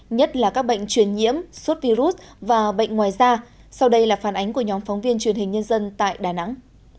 nhất là các bệnh truyền nhiễm suốt virus và bệnh ngoài da sau đây là phản ánh của nhóm phóng viên truyền hình nhân dân tại đà nẵng